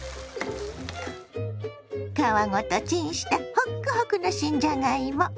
皮ごとチンしたほっくほくの新じゃがいも。